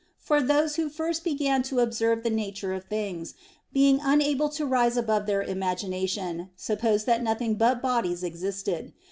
For those who first began to observe the nature of things, being unable to rise above their imagination, supposed that nothing but bodies existed.